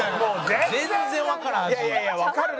全然わからん！